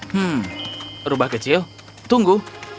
hmm rubah kecil tunggu